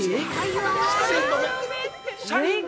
◆はい。